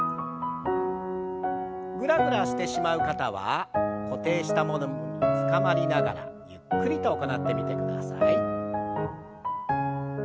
ぐらぐらしてしまう方は固定したものにつかまりながらゆっくりと行ってみてください。